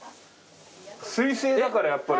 水性だからやっぱり。